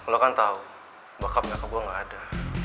lo kan tahu bakap nyakap gue gak ada